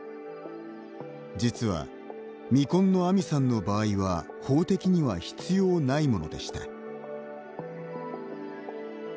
実は、未婚のアミさんの場合は法的には必要ないものでした。